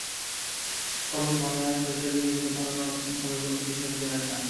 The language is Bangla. ফলন ভালো হওয়ায় সরিষা বিক্রি করে ভালো লাভ হবে বলে কৃষকদের আশা।